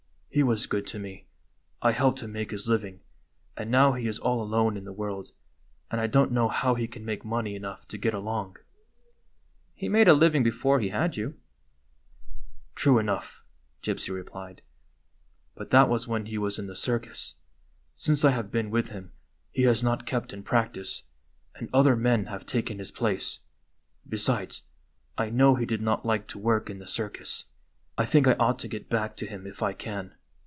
" He was good to me; I helped him make his living, and now he is all alone in the world, and I don't know how he can make money enough to get along." " He made a living before he had you." IOO PLANS FOR A JOURNEY " True enough," Gypsy rejDlied ;" but that was when he was in the circus. Since I have been with him he has not kept in practice, and other men have taken his place. Besides, I know he did not like to work in the circus. I think I ought to get back to him if I can.